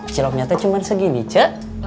ciloknya teh cuman segini ce